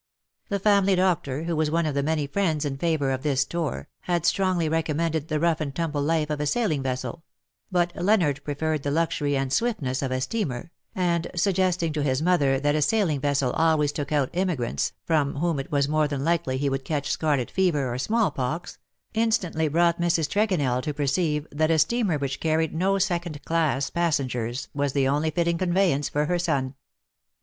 The family doctor, who was one of the many friends in favour of this tour, had strongly recommended the rough and tumble life of a sailing vessel ; but Leonard preferred the luxury and swiftness of a steamer, and, suggesting to his mother that a sailing vessel always took out emigrants, from whom it was more than likely he would catch scarlet fever or small pox, instantly brought Mrs. Tregonell to perceive that a steamer which carried no second class passengers was the only fitting conveyance for her son.